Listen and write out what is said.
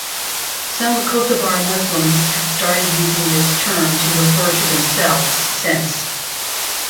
Some Kosovar Muslims have started using this term to refer to themselves since.